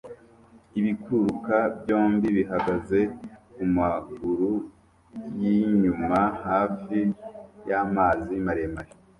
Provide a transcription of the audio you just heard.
Ibikururuka byombi bihagaze kumaguru yinyuma hafi yamazi maremare